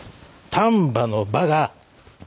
丹波の「波」が。